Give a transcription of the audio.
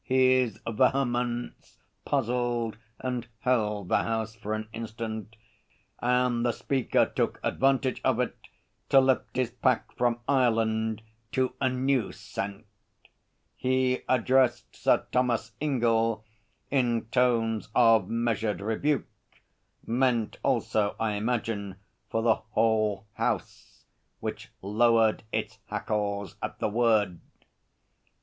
His vehemence puzzled and held the House for an instant, and the Speaker took advantage of it to lift his pack from Ireland to a new scent. He addressed Sir Thomas Ingell in tones of measured rebuke, meant also, I imagine, for the whole House, which lowered its hackles at the word.